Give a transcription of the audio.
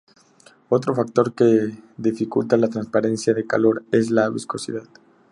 Otro factor que dificulta la transferencia de calor es la viscosidad.